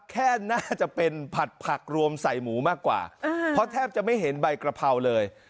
น่าจะเป็นผัดผักรวมใส่หมูมากกว่าเพราะแทบจะไม่เห็นใบกระเพราเลย